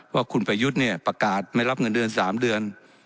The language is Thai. ว่าคุณประยุทธ์เนี่ยประกาศไม่รับเงินเดือน๓เดือน